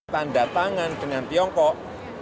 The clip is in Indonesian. tanda tangan dengan tiongkok